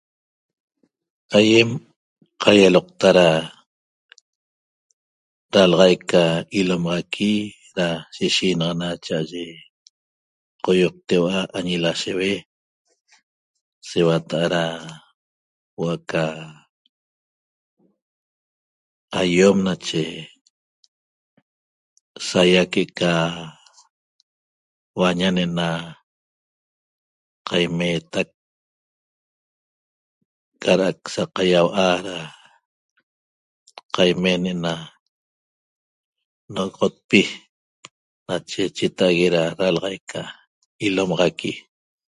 Aýem qaialota da dalaxaic ca ilomaxaqui da shishinaxana cha'aye qoioqteua'a añi lasheue nache seuata'a da huo'o aca aiom nache saýa que'eca huaña ne'ena qaimeetac cada'ac saqaiau'a da qaimen ne'ena nogoxotpi nache cheta'ague da dalaxaic ca ilomaxaqui